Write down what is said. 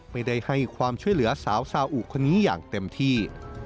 ไม่ได้ให้ความช่วยเหลือสาวซาอุคนนี้อย่างเต็มที่